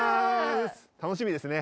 楽しみですね。